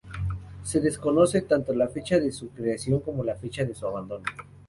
Se desconoce tanto la fecha de su creación como la fecha de su abandono.